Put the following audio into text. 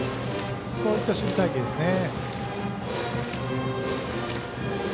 そういった守備隊形ですね。